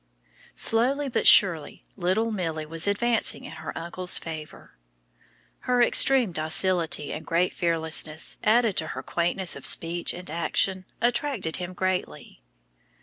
Slowly but surely little Milly was advancing in her uncle's favor. Her extreme docility and great fearlessness, added to her quaintness of speech and action, attracted him greatly.